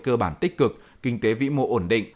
cơ bản tích cực kinh tế vĩ mô ổn định